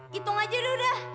hitung aja deh udah